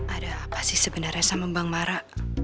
ada apa sih sebenarnya sama bang mara